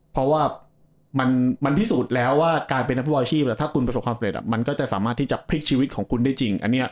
เพราะว่ามันพิสูจน์แล้วว่าการเป็นนักฟุตบอลอาชีพแล้วถ้าคุณประสบความสำเร็จมันก็จะสามารถที่จะพลิกชีวิตของคุณได้จริง